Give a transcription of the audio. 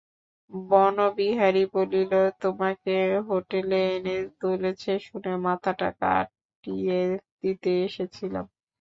বনবিহারী বলিল, তোমাকে হোটেলে এনে তুলেছে শুনে মাথাটা কাটিয়ে দিতে এসেছিলাম।